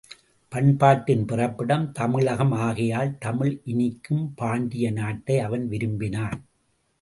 பண்பாட்டின் பிறப்பிடம் தமிழகம் ஆகையால் தமிழ் இனிக்கும் பாண்டிய நாட்டை அவன் விரும்பினான்.